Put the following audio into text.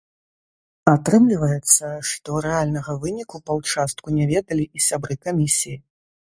Атрымліваецца, што рэальнага выніку па ўчастку не ведалі і сябры камісіі.